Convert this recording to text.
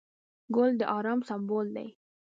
ګل د ارام سمبول دی.